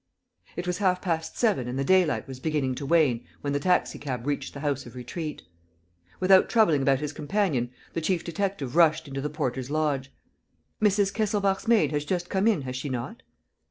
It was half past seven and the daylight was beginning to wane when the taxi cab reached the House of Retreat. Without troubling about his companion, the chief detective rushed into the porter's lodge: "Mrs. Kesselbach's maid has just come in, has she not?"